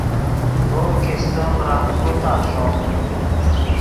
ڤے کو کیستیم راہ کوتاہ ݰوم